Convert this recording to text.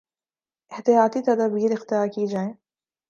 احتیاطی تدابیراختیار کی جائیں